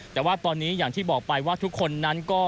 แต่ว่าตอนนี้อย่างที่บอกไปว่าทุกคนนั้นก็